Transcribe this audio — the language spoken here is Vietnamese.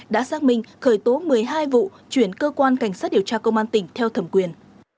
đã xác minh khởi tố một mươi hai vụ chuyển cơ quan cảnh sát điều tra công an tỉnh theo thẩm quyền